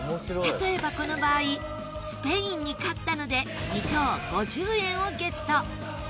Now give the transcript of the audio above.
例えばこの場合スペインに勝ったので２等５０円をゲット！